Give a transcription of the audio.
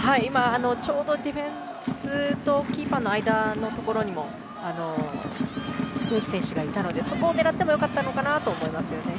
ちょうどディフェンスとキーパーの間のところにも植木選手がいたのでそこを狙っても良かったのかなと思いますね。